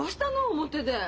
表で。